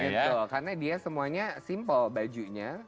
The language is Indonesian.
karena dia semuanya simple bajunya